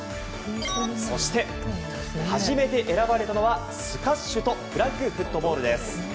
そして、初めて選ばれたのはスカッシュとフラッグフットボールです。